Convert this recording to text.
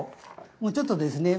もうちょっとですね。